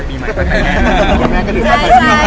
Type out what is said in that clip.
คุณแม่ที่ถึงถูกไป